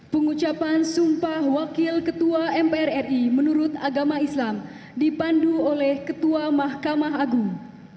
pengucapan sumpah wakil ketua mpr ri menurut agama islam dipandu oleh ketua mahkamah agung